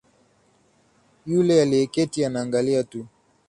Yule aliyeketi anaangalia tu